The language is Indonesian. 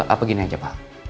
apa gini aja pak